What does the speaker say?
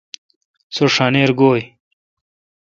سو ݭانیر گویں۔